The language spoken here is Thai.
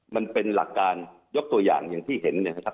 มันเป็นหลักการยกตัวอย่างอย่างที่เห็นเนี่ยนะครับ